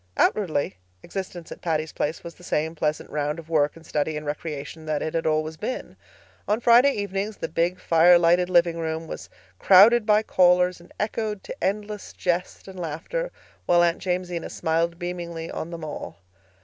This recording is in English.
Outwardly, existence at Patty's Place was the same pleasant round of work and study and recreation that it had always been. On Friday evenings the big, fire lighted livingroom was crowded by callers and echoed to endless jest and laughter, while Aunt Jamesina smiled beamingly on them all.